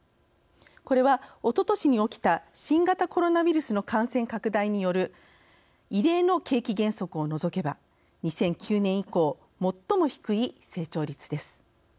これは、おととしに起きた新型コロナウイルスの感染拡大による異例の景気減速を除けば２００９年以降最も低い成長率です。